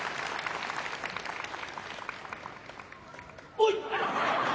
おい！